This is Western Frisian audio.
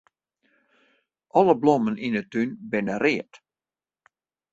Alle blommen yn 'e tún binne read.